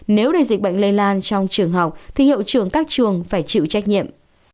nếu đề dịch bệnh lây lan trong trường học thì hiệu trường các trường phải chịu trách nhiệm